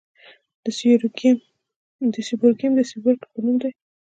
د سیبورګیم د سیبورګ په نوم دی.